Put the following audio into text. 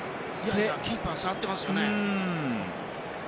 キーパー触ってますよね。